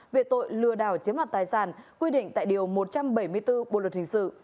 về tội lừa đảo chiếm đoạt tài sản quy định tại điều một trăm bảy mươi bốn bộ luật hình sự